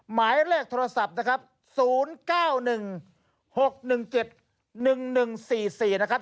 หมายเลขโทรศัพท์นะครับ๐๙๑๖๑๗๑๑๔๔นะครับ